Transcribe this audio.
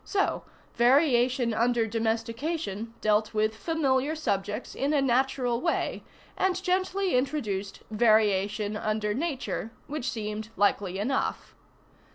So "Variation under Domestication" dealt with familiar subjects in a natural way, and gently introduced "Variation under Nature," which seemed likely enough.